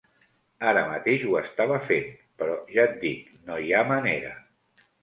Ara mateix ho estava fent, però ja et dic, no hi ha manera.